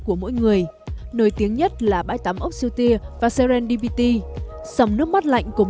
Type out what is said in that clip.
của mỗi người nổi tiếng nhất là bãi tắm ốc siltier và serendipity sầm nước mắt lạnh cùng